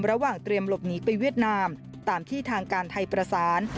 ระหว่างเตรียมหลบหนีไปเวียดนามตามที่ทางการไทยประสาน